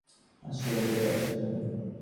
আসো, এদিকে আসো তুমি।